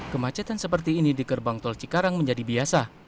kemacetan seperti ini di gerbang tol cikarang menjadi biasa